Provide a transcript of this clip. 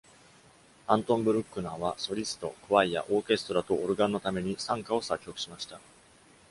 アントン・ブルックナーは、ソリスト、クワイア、オーケストラとオルガンのために「讃歌」を作曲しました。